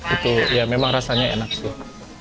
itu ya memang rasanya enak sih